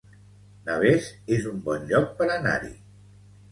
Navès es un bon lloc per anar-hi